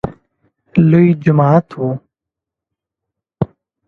لوی جماعت و .